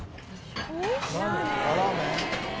ラーメン？